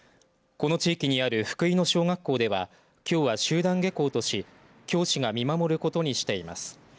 この地域にある福井野小学校ではきょうは集団下校とし教師が見守ることにしています。